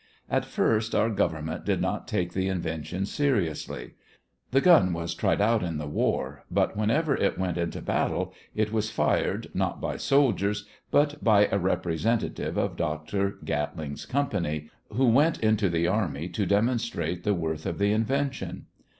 At first our government did not take the invention seriously. The gun was tried out in the war, but whenever it went into battle it was fired not by soldiers but by a representative of Dr. Gatling's company, who went into the army to demonstrate the worth of the invention.